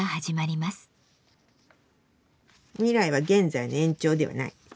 未来は現在の延長ではない。